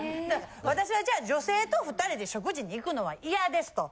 私はじゃあ女性と２人で食事に行くのは嫌ですと。